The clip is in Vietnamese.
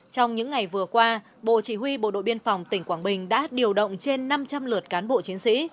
trong những ngày vừa qua bộ chỉ huy bộ đội biên phòng tỉnh quảng bình đã điều động trên năm trăm linh lượt cán bộ chiến sĩ